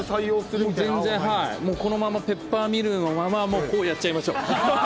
全然、もうこのままペッパーミルのまま、こうやっちゃいましょう。